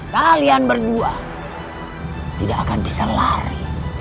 kalian berdua tidak akan bisa lari